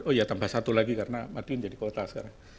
oh ya tambah satu lagi karena matiin jadi kota sekarang